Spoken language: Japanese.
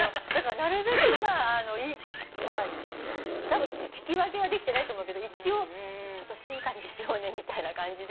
なるべくたぶん聞き分けはできてないと思うけど一応ちょっと静かにしようねみたいな感じで。